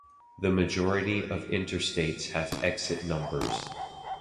The majority of Interstates have exit numbers.